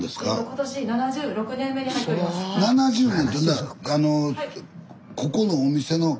７０年。